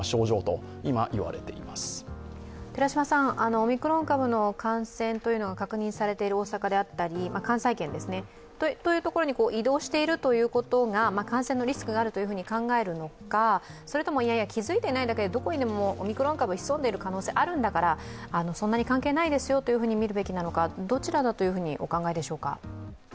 オミクロン株の感染というのが確認されている大阪であったり関西圏に移動しているということが感染のリスクがあると考えるのか、それとも、気付いていないだけでどこでもオミクロン株は潜んでいる可能性があるんだから、そんなに関係ないですよと見るべきなのかどちらだとお考えでしょうか？